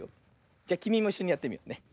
じゃきみもいっしょにやってみようね。